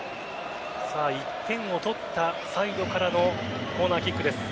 １点を取ったサイドからのコーナーキックです。